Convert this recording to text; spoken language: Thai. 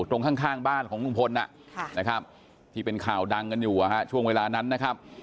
ตรงข้างบ้านของลุงพลนะครับที่เป็นข่าวดังกันอยู่ช่วงเวลานั้นนะครับ